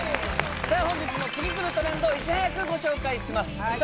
さあ本日も次くるトレンドをいち早くご紹介しますさあ